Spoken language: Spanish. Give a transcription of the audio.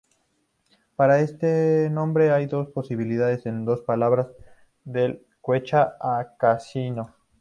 Para este nombre hay dos posibilidades en dos palabras del quechua ancashino.